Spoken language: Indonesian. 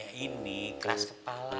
ya ini keras kepala